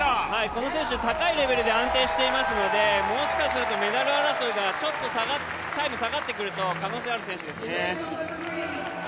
この選手、高いレベルで安定していますのでもしかするとメダル争いがちょっとタイムが下がってくると、可能性がある選手ですね。